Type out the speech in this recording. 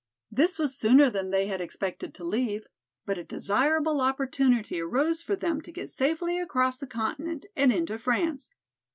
This was sooner than they had expected to leave, but a desirable opportunity arose for them to get safely across the continent and into France.